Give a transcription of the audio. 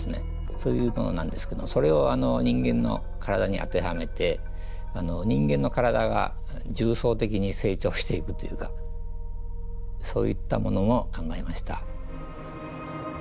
そういうものなんですけどもそれを人間の体に当てはめて人間の体が重層的に成長していくというかそういったものを考えました。